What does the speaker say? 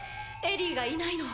エリィがいないの。